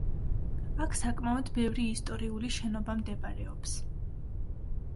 აქ საკმაოდ ბევრი ისტორიული შენობა მდებარეობს.